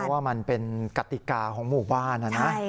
เพราะว่ามันเป็นกติกาของหมู่บ้าน